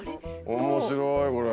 面白いこれ。